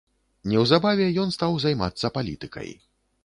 Неўзабаве ён стаў займацца палітыкай.